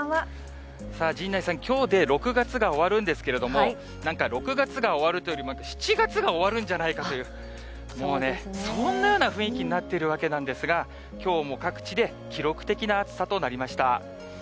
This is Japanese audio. さあ、陣内さん、きょうで６月が終わるんですけれども、なんか６月が終わるというよりも、７月が終わるんじゃないかという、もうね、そんなような雰囲気になっているわけなんですが、きょうも各地で記録的な暑さとなりました。